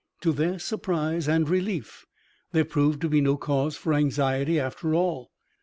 To their surprise and relief there proved to be no cause for anxiety after all.